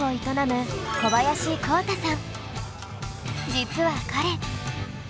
実は彼。